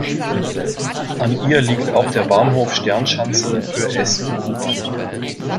An ihr liegt auch der "Bahnhof Sternschanze" für S- und U-Bahn.